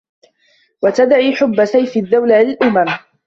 وَتَدّعي حُبّ سَيفِ الدّوْلـةِ الأُمَـم ُ